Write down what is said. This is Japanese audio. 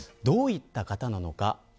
どういった方なのか。